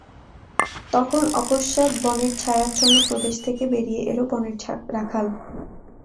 তখন অকস্মাৎ বনের ছায়াচ্ছন্ন প্রদেশ থেকে বেরিয়ে এল বনের রাখাল।